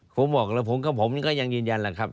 ผมบอกแล้วผมกับผมนี่ก็ยังยืนยันแหละครับ